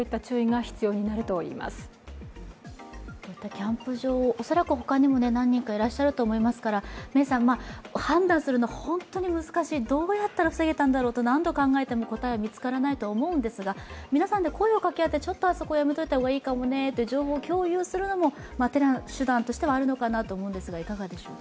キャンプ場、恐らく他にも何人かいらっしゃると思いますから判断するのは本当に難しい、どうやったら防げたんだろうと何度考えても答えは見つからないと思うんですが、皆さんで声をかけ合ってあそこはやめておいた方がいいかもねと、情報共有するも手段としてはあると思うんですが、いかがでしょう。